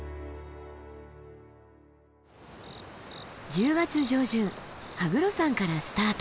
１０月上旬羽黒山からスタート。